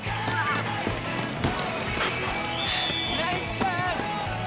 ナイスシュート！